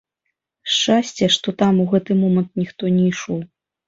Шчасце, што там у гэты момант ніхто не ішоў.